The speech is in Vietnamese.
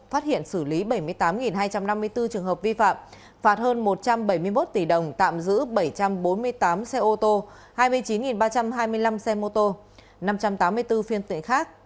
phát hiện xử lý bảy mươi tám hai trăm năm mươi bốn trường hợp vi phạm phạt hơn một trăm bảy mươi một tỷ đồng tạm giữ bảy trăm bốn mươi tám xe ô tô hai mươi chín ba trăm hai mươi năm xe mô tô năm trăm tám mươi bốn phiên tiện khác